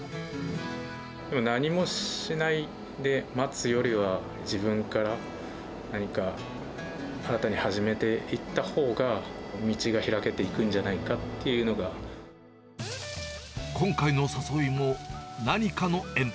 何もしないで待つよりは、自分から何か新たに初めていったほうが、道が開けていくんじゃな今回の誘いも、何かの縁。